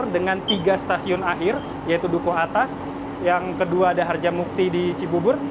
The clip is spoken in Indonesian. dengan tiga stasiun akhir yaitu duku atas yang kedua ada harjamukti di cibubur